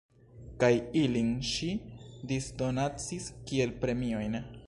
Kaj ilin ŝi disdonacis kiel premiojn.